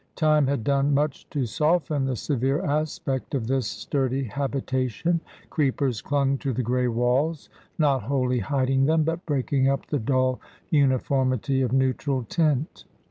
Time had done much to soften the severe aspect of this sturdy habitation; creepers clung to the grey walls not wholly hiding them, but breaking up the dull uniformity of neutral tint.